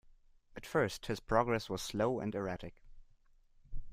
At first his progress was slow and erratic.